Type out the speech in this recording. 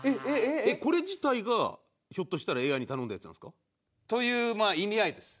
これ自体がひょっとしたらＡＩに頼んだやつなんですか？という意味合いです。